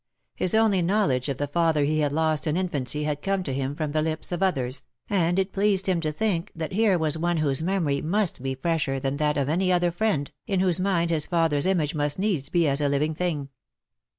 His only knowledge of the father he had lost in infancy had come to him from the lips of others^ and it pleased him to think that here was one whose memory must be fresher than that of any other friend^ in whose mind his father^s image must needs be as a living thing.